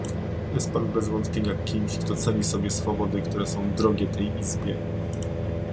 Jest pan bez wątpienia kimś, kto ceni sobie swobody, które są drogie tej Izbie